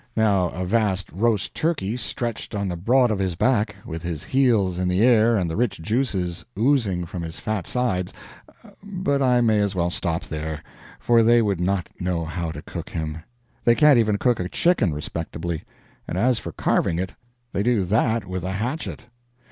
Now a vast roast turkey, stretched on the broad of his back, with his heels in the air and the rich juices oozing from his fat sides ... but I may as well stop there, for they would not know how to cook him. They can't even cook a chicken respectably; and as for carving it, they do that with a hatchet.